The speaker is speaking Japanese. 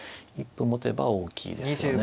一歩持てば大きいですよね。